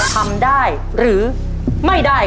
ทำได้หรือไม่ได้